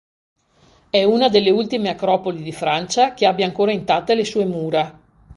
È una delle ultime acropoli di Francia che abbia ancora intatte le sue mura.